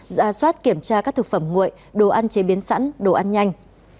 ra soát kiểm tra các thực phẩm nguội đồ ăn chế biến sẵn đồ ăn nhanh